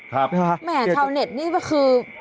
ครับแหมชาวเน็ตนี่คือ